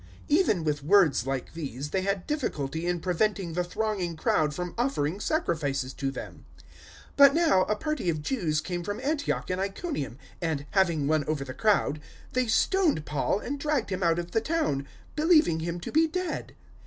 014:018 Even with words like these they had difficulty in preventing the thronging crowd from offering sacrifices to them. 014:019 But now a party of Jews came from Antioch and Iconium, and, having won over the crowd, they stoned Paul and dragged him out of the town, believing him to be dead.